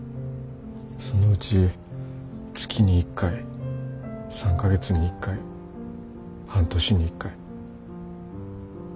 そのうち月に１回３か月に１回半年に１回。